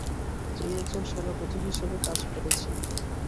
তিনি একজন সেনাপতি হিসেবে কাজ করেছেন।